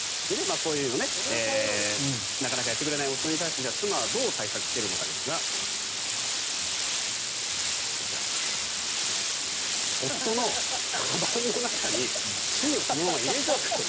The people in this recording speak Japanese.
こういうなかなかやってくれない夫に対して妻はどう対策しているのかですがこちら、夫のかばんの中に芯をそのまま入れておくと。